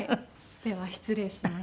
では失礼します。